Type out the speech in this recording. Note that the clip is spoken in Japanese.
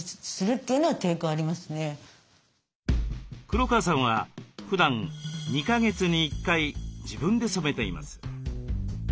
黒川さんはふだん２か月に１回自分で染めています。